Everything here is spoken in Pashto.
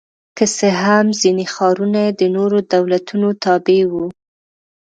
که څه هم ځیني ښارونه یې د نورو دولتونو تابع وو